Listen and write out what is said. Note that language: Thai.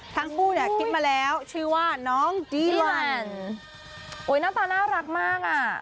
ทั้งคู่เนี่ยคิดมาแล้วชื่อว่าน้องจีหลันโอ้ยหน้าตาน่ารักมากอ่ะ